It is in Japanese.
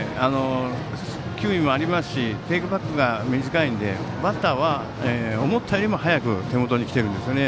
球威もあるしテイクバックが短くてバッターは思ったよりも速く手元に来ているんですよね。